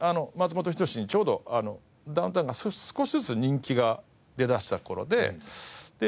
ちょうどダウンタウンが少しずつ人気が出だした頃で。